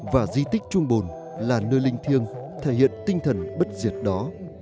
và di tích trung bồn là nơi linh thiêng thể hiện tinh thần bất diệt đó